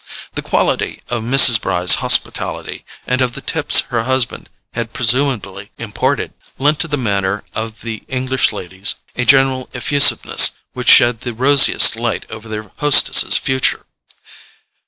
The quality of Mrs. Bry's hospitality, and of the tips her husband had presumably imparted, lent to the manner of the English ladies a general effusiveness which shed the rosiest light over their hostess's future.